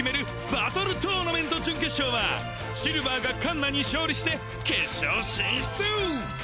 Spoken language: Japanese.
バトルトーナメント準決勝はシルヴァーがカンナに勝利して決勝進出ぅう！